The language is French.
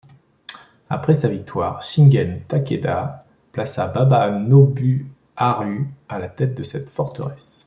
Après sa victoire, Shingen Takeda plaça Baba Nobuharu à la tête de cette forteresse.